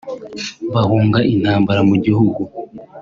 bahunga intambara mu gihugu